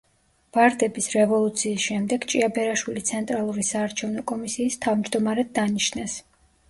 ვარდების რევოლუციის შემდეგ ჭიაბერაშვილი ცენტრალური საარჩევნო კომისიის თავმჯდომარედ დანიშნეს.